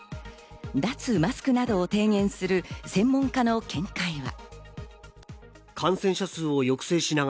脱マスクなどを提言する専門家の見解は。